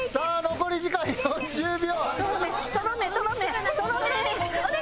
残り時間３０秒！